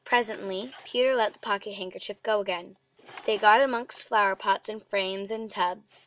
Presently Peter let the pocket handkerchief go again. They got amongst flower pots, and frames, and tubs.